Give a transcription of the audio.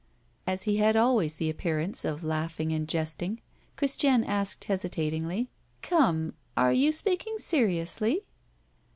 As he had always the appearance of laughing and jesting, Christiane asked hesitatingly: "Come! are you speaking seriously?"